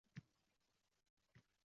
Xudo rahmat qilsin, juda yaxshi yigit edi